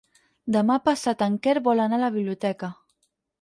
Demà passat en Quer vol anar a la biblioteca.